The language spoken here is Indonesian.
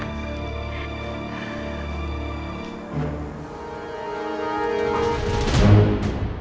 sampai jumpa lagi